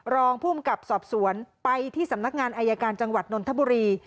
รองภูมิกับสอบสวนไปที่สำนักงานอายการจังหวัดนนทบุรี